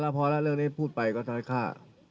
พอแล้วเรื่องนี้พูดไปก่อนท้ายค่ะ